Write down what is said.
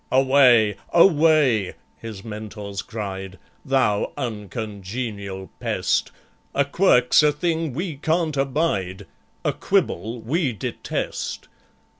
"Away, away!" his Mentors cried, "Thou uncongenial pest! A quirk's a thing we can't abide, A quibble we detest!